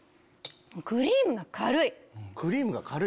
クリームが軽い？